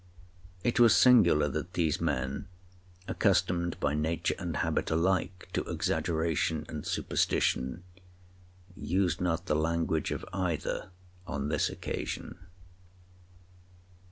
It was singular that these men, accustomed by nature and habit alike to exaggeration and superstition, used not the language of either on this occasion.